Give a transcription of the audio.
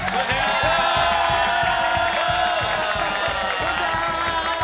こんにちは！